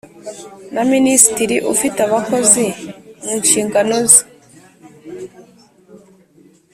na minisitiri ufite abakozi mu nshingano ze.